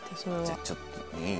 じゃあちょっといい？